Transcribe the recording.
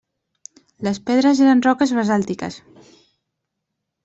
Les pedres eren roques basàltiques.